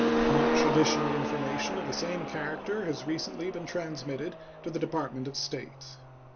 Much additional information of the same character has recently been transmitted to the Department of State.